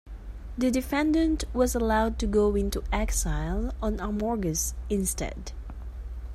The defendant was allowed to go into exile on Amorgos instead.